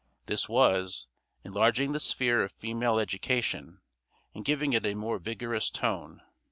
This was, enlarging the sphere of female education, and giving it a more vigorous tone.